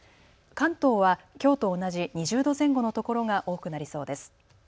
関東はきょうと同じ２０度前後のところが多くなりそうです。